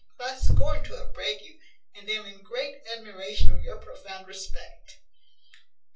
but I scorn to upbraid you, and am in great admiration of your profound respect.